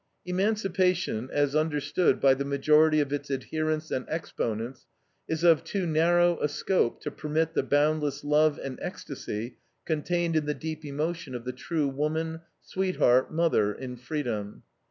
Emancipation, as understood by the majority of its adherents and exponents, is of too narrow a scope to permit the boundless love and ecstasy contained in the deep emotion of the true woman, sweetheart, mother, in freedom.